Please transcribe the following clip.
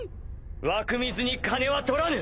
湧く水に金は取らぬ。